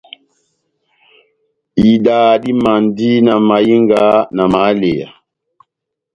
Idaha dimandi na mahinga, na mahaleya.